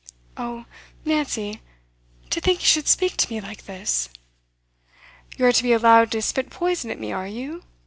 'Oh Nancy to think you should speak to me like this.' 'You are to be allowed to spit poison at me are you?